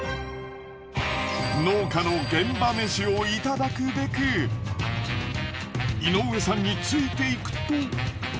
農家の現場メシをいただくべく井上さんについていくと。